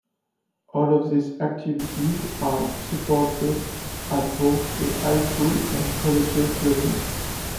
All of these activities are supported at both the high school and collegiate levels.